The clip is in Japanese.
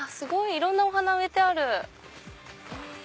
いろんなお花植えてある。